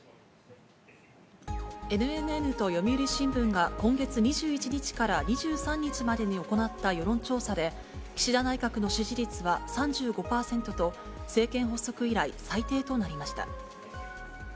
ＮＮＮと読売新聞が今月２１日から２３日までに行った世論調査で、岸田内閣の支持率は３５％と、政権発足以来、最低となりました。